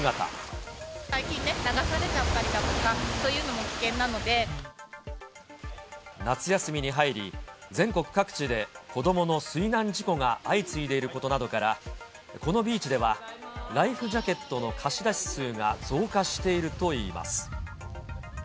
最近ね、流されちゃったりだ夏休みに入り、全国各地で子どもの水難事故が相次いでいることなどから、このビーチでは、ライフジャケットの貸し出し数が増加しているといいます。